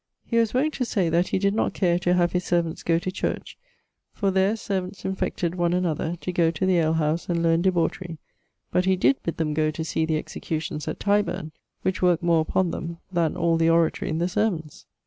He was wont to say that he did not care to have his servants goe to church, for there servants infected one another to goe to the alehouse and learne debauchery; but he did bid them goe to see the executions at Tyburne, which worke more upon them then all the oratory in the sermons.